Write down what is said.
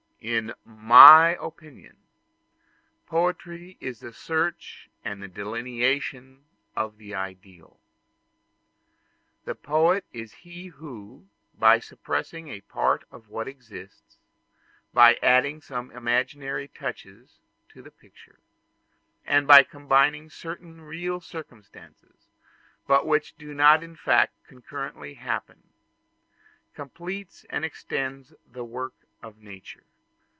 In my opinion, poetry is the search and the delineation of the ideal. The poet is he who, by suppressing a part of what exists, by adding some imaginary touches to the picture, and by combining certain real circumstances, but which do not in fact concurrently happen, completes and extends the work of nature.